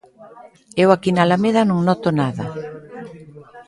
Eu aquí na alameda non noto nada.